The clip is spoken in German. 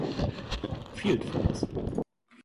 Field Force.